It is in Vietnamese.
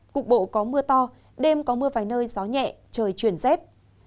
cục bộ có mưa to đêm có mưa vài nơi gió nhẹ trời chuyển rét